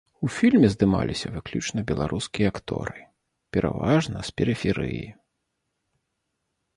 У фільме здымаліся выключна беларускія акторы, пераважна з перыферыі.